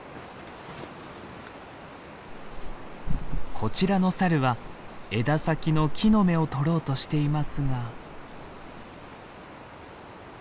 こちらのサルは枝先の木の芽をとろうとしていますが。